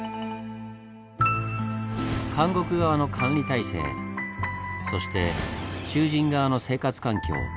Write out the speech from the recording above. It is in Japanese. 監獄側の管理体制そして囚人側の生活環境。